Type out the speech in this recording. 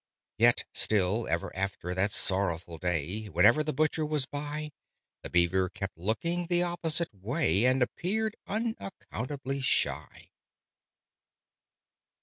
Yet still, ever after that sorrowful day, Whenever the Butcher was by, The Beaver kept looking the opposite way, And appeared unaccountably shy.